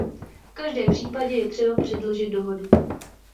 V každém případě je třeba předložit dohodu.